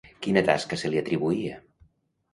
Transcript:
Quina tasca se li atribuïa?